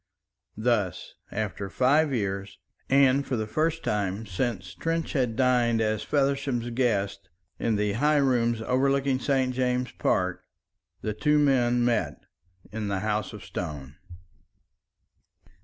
Thus, after five years, and for the first time since Trench had dined as Feversham's guest in the high rooms overlooking St. James's Park, the two men met in the House of Stone.